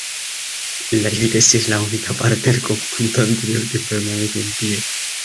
La iglesia es la única parte del conjunto anterior que permanece en pie.